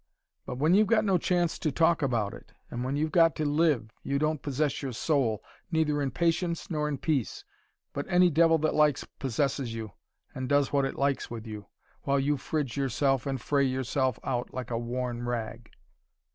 But when you've got no chance to talk about it and when you've got to live you don't possess your soul, neither in patience nor in peace, but any devil that likes possesses you and does what it likes with you, while you fridge yourself and fray yourself out like a worn rag."